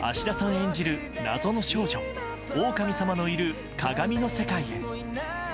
演じる謎の少女、オオカミさまのいる鏡の世界へ。